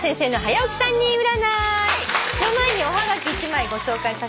の前におはがき１枚ご紹介させてください。